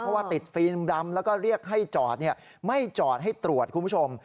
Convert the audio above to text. เพราะว่าติดฟิล์มดำแล้วก็เรียกให้จอดไม่จอดให้ตรวจคุณผู้ชม